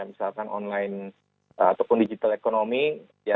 misalkan online ataupun digital economy